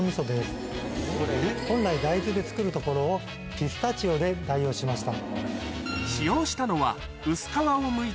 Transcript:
本来大豆で造るところをピスタチオで代用しました。